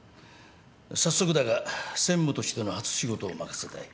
早速だが専務としての初仕事を任せたい。